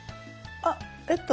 あっえっと